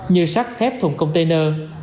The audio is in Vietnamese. như sắt thép thùng container